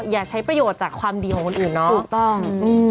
อย่าใช้ประโยชน์จากความดีของคนอื่นเนาะถูกต้อง